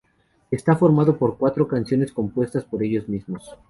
Está formado por cuatro canciones compuestas por ellos mismos.